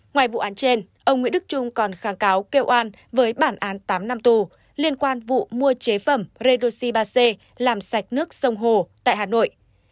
ngoài vụ án trên ông nguyễn đức trung còn kháng cáo kêu oan với bản án tám năm tù liên quan vụ mua chế phẩm redoxi ba c làm sạch nước sông hồ tại hà nội